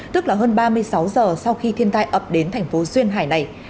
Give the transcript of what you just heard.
tức là hơn ba mươi sáu giờ sau khi thiên tai ập đến thành phố duyên hải này